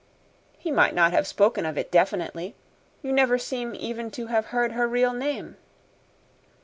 "He might not have spoken of it definitely. You never seem even to have heard her real name."